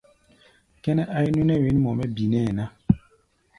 Kʼɛ́nɛ́ áí núʼnɛ́ wěn mɔ mɛ́ binɛ́ɛ ná.